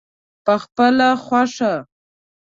پخپله خوښه.